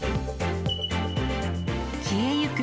消えゆく